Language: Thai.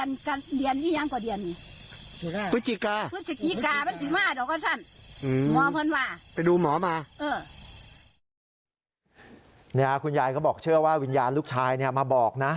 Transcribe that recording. เนี่ยคุณยายก็บอกเชื่อว่าวิญญาณลูกชายเนี่ยมาบอกนะ